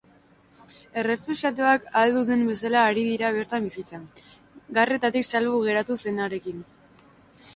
Errefuxiatuak ahal duten bezala ari dira bertan bizitzen, garretatik salbu geratu zenarekin.